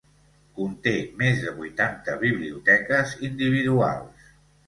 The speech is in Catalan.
Conté més de vuitanta biblioteques individuals.